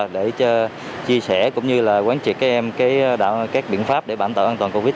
để chia sẻ cũng như là quán triệt các em các biện pháp để bản tự an toàn covid